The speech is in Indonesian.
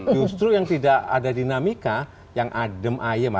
justru yang tidak ada dinamika yang adem ayem